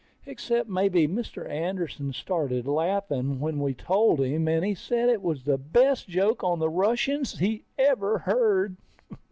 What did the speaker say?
Except maybe Mr. Anderson started laughing when we told him, and he said it was the best joke on the Russians he ever heard.